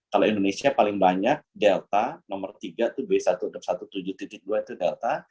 kalau indonesia paling banyak delta nomor tiga itu b satu enam ratus tujuh belas dua itu delta